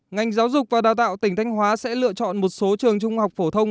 ngành giáo dục và đào tạo tỉnh thanh hóa sẽ lựa chọn một số trường trung học phổ thông